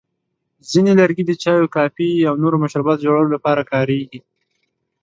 ځینې لرګي د چایو، کافي، او نورو مشروباتو جوړولو لپاره کارېږي.